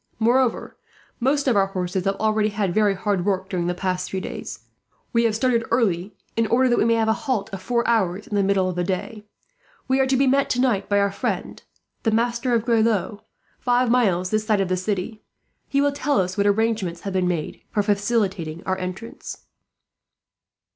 Moreover, most of our horses have already had very hard work during the past few days. We have started early, in order that we may have a halt of four hours in the middle of the day. We are to be met tonight by our friend, the Master of Grelot, five miles this side of the city. He will tell us what arrangements have been made for facilitating our entrance."